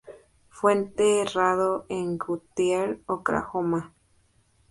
Fue enterrado en Guthrie, Oklahoma.